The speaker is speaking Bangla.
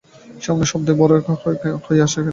সামান্য শব্দই বড় হয়ে কানে আসে।